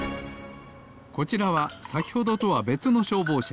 こちらはさきほどとはべつのしょうぼうしゃ。